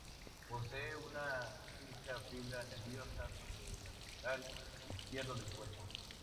Posee una única fibra nerviosa sobre el lateral izquierdo del cuerpo.